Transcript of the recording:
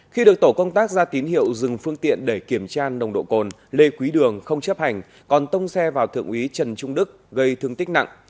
khi được tổ công tác ra tín hiệu dừng phương tiện để kiểm tra nồng độ cồn lê quý đường không chấp hành còn tông xe vào thượng úy trần trung đức gây thương tích nặng